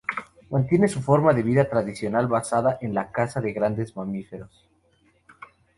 Mantienen su forma de vida tradicional basada en la caza de grandes mamíferos.